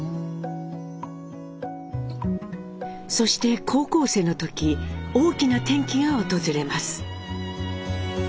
そして高校生の時大きな転機が訪れます。